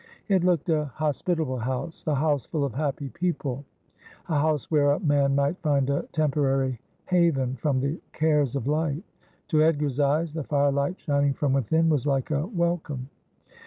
It looked a hospitable house, a house full of happy people, a house where a man might find a temporary haven from the cares of life. To Edgar's eyes the firelight shining from within was like a wel come.